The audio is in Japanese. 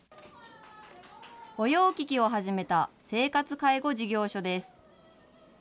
御用聞きを始めた生活介護事業所です。